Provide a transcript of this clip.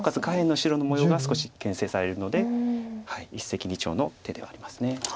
下辺の白の模様が少しけん制されるので一石二鳥の手ではあります。